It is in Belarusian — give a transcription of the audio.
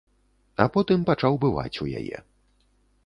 А потым пачаў бываць у яе.